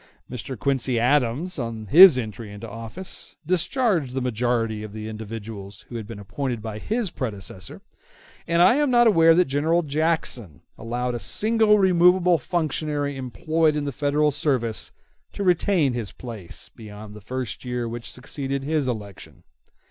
Mr. Quincy Adams, on his entry into office, discharged the majority of the individuals who had been appointed by his predecessor: and I am not aware that General Jackson allowed a single removable functionary employed in the Federal service to retain his place beyond the first year which succeeded his election.